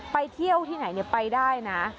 ไปเที่ยวที่ไหนไปได้นะ